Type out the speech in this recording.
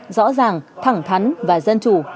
rõ ràng thẳng thắn và dân chủ